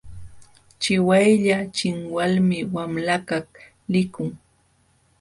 Chiwaylla chinwalmi wamlakaq likun.